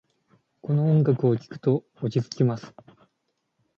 この音楽を聴くと落ち着きます。